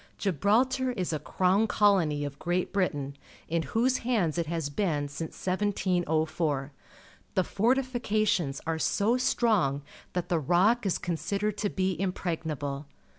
Gibral tar is a crown colony of Great Britain, in whose hands it has been since 1704. The fortifications are so strong that the Rock is considered to be impregnable.